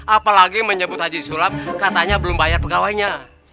apalagi menyebut haji sulap katanya belum bayar pegawainya